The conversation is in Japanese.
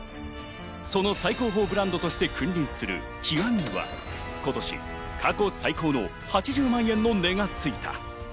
その最高峰ブランドとして君臨する極は今年過去最高の８０万円の値がついた。